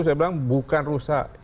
saya bilang bukan rusak